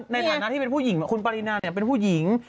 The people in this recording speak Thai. ในฐานะที่เป็นผู้หญิงคุณปรินาเป็นผู้หญิง